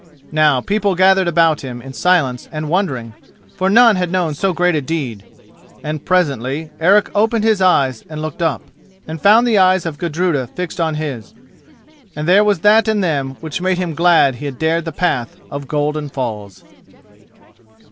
Now people gathered about him in silence and wondering, for none had known so great a deed. And presently Eric opened his eyes and looked up, and found the eyes of Gudruda fixed on his, and there was that in them which made him glad he had dared the path of Golden Falls.